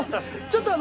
ちょっと。